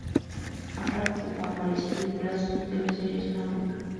Ha participado en varias películas y teleseries flamenca.